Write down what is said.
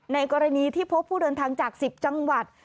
ในกรณีที่พบผู้เดินทางจาก๑๐จังหวัด